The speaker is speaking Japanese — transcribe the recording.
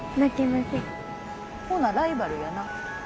ほなライバルやな。